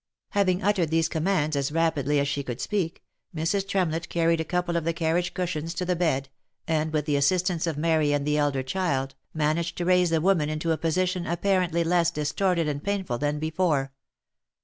Having uttered these commands as rapidly as she could speak, Mrs. Tremlett carried a couple of the carriage cushions to the bed, and with the assistance of Mary and the elder child, managed to raise the woman into a position apparently less distorted and painful than before.